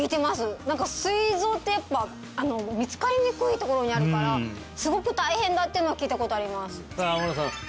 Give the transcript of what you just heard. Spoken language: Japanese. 何かすい臓ってやっぱ見つかりにくいところにあるからすごく大変だっていうのは聞いたことありますさあ